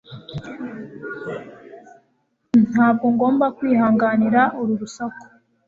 ntabwo ngomba kwihanganira uru rusaku